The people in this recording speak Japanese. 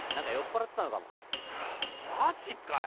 おいマジかよ！